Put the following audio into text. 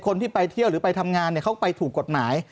คนที่ไปเที่ยวหรือไปทำงานเขาไปถูกกฎหมาย